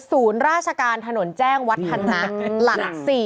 ศูนย์ราชการถนนแจ้งวัฒนะหลัก๔